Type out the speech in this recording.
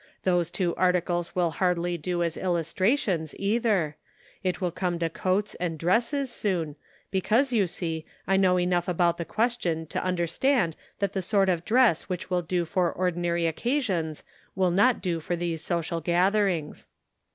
Those two articles will hardly do as illustrations, either ; it will come to coats and dresses soon, because, you see, I know enough about the question to understand that the sort of dress which will do for ordinary occasions will not do for these social gatherings."